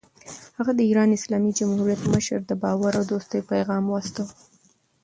هغه د ایران اسلامي جمهوریت مشر ته د باور او دوستۍ پیغام واستاوه.